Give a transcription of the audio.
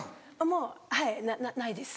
もうはいないです。